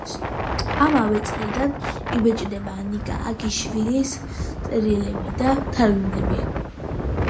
ამავე წლიდან იბეჭდება ნიკა აგიაშვილის წერილები და თარგმანები.